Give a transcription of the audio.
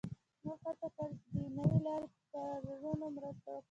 موږ هڅه کړې چې د یوې نوې لارې په کارونه مرسته وکړو